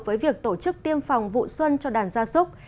với việc tổ chức tiêm phòng vụ xuân cho đàn gia súc